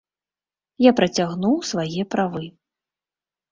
Я працягнуў свае правы.